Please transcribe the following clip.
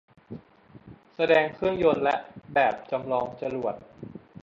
แสดงเครื่องยนต์และแบบจำลองจรวด